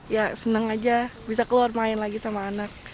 ya senang aja bisa keluar main lagi sama anak